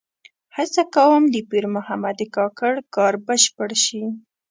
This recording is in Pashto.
هڅه کوم د پیر محمد کاکړ کار بشپړ شي.